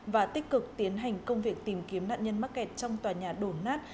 và tích cực tiến hành công việc tìm kiếm nạn nhân mắc kẹt trong tòa nhà đổ nát